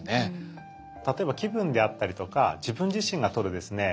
例えば気分であったりとか自分自身がとるですね